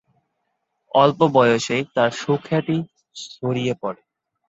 অল্প বয়সেই তার সুখ্যাতি ছড়িয়ে পড়ে।